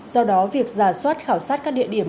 do đó việc giả soát khảo sát các địa điểm